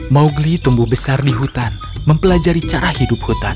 mowgli tumbuh besar di hutan mempelajari cara hidup hutan